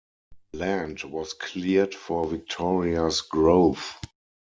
Land was cleared for Victoria's growth.